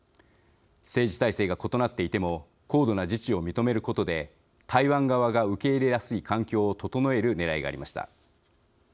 政治体制が異なっていても高度な自治を認めることで台湾側が受け入れやすい環境を整えるねらいがありました。